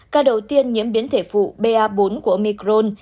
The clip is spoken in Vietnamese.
ca đầu tiên nhiễm biến thể phụ ba bốn của omicron